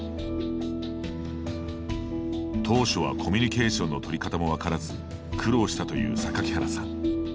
当初は、コミュニケーションの取り方も分からず苦労したという榊原さん。